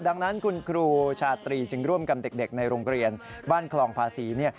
ดังนั้นคุณครูชาตรีจึงร่วมกับเด็กในโรงเรียนบ้านคลองภาษี